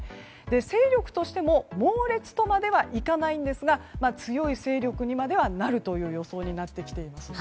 勢力としても猛烈とまではいかないんですが強い勢力までにはなるという予想になってきています。